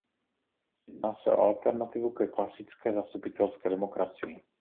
Jedná se o alternativu ke klasické zastupitelské demokracii.